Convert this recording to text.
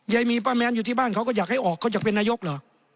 ยายมีป้าแมนอยู่ที่บ้านเขาก็อยากให้ออกเขาอยากเป็นนายกเหรอ